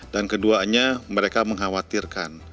dan keduanya mereka mengkhawatirkan